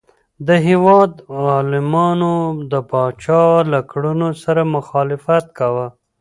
د هیواد عالمانو د پاچا له کړنو سره مخالفت کاوه.